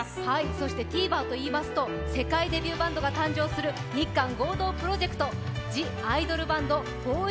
そしてＴＶｅｒといいますと世界デビューバンドが誕生する日韓合同プロジェクトＴＨＥＩＤＯＬＢＡＮＤ：ＢＯＹ